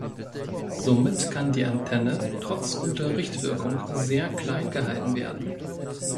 Somit kann die Antenne trotz guter Richtwirkung sehr klein gehalten werden.